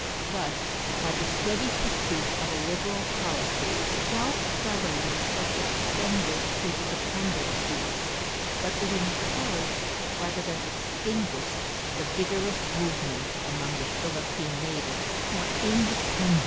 Thus, by the steady pursuit of a liberal policy, self government was extended to the dependencies; but it encouraged rather than extinguished the vigorous movement among the Philippine natives for independence.